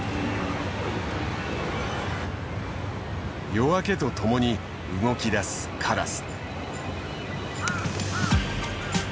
夜明けとともに動きだすカラス。